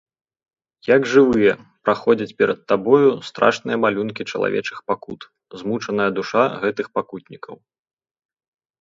Як жывыя, праходзяць перад табою страшныя малюнкі чалавечых пакут, змучаная душа гэтых пакутнікаў.